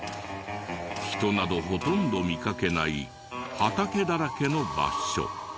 人などほとんど見かけない畑だらけの場所。